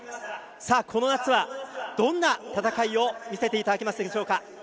さあ、この夏はどんな戦いを見せていただけますでしょうか。